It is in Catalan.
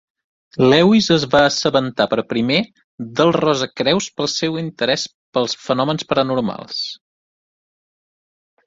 Lewis es va assabentar per primer dels rosacreus pel seu interès pels fenòmens paranormals.